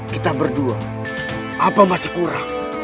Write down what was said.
kita berdua apa masih kurang